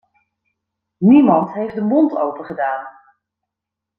Niemand heeft de mond open gedaan!